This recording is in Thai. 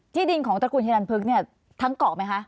ที่ดินของตระกูลเฮดันเพลิกเนี่ยทั้งเกาะไหมคะ